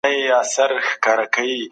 افغانان لویه جرګه ولي راټولوي؟